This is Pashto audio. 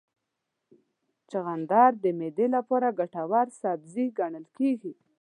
چغندر د معدې لپاره ګټور سبزی ګڼل کېږي.